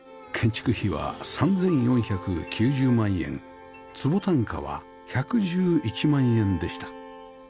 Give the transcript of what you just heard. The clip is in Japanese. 建築費は３４９０万円坪単価は１１１万円でした